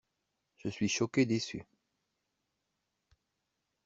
Je suis choqué déçu.